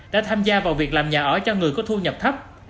đã tham gia vào việc làm nhà ở cho người có thu nhập thấp